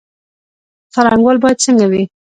څارنوال باید څنګه وي؟